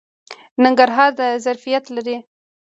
ننګرهار دا ظرفیت لري.